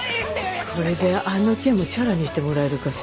これであの件もチャラにしてもらえるかしら。